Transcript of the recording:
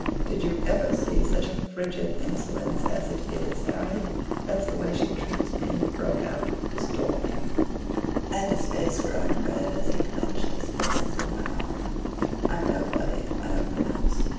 Did you ever see such a frigid insolence as it is, Harry? That's the way she treats me," he broke out, storming, and his face growing red as he clenched his fists and went on. "I'm nobody in my own house.